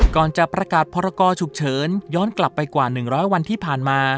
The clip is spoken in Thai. ก่อนจะประกาศพรกรฉุกเฉินย้อนกลับไปกว่า๑๐๐วันที่ผ่านมา